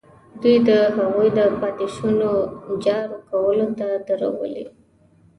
دوی د هغوی د پاتې شونو جارو کولو ته درولي.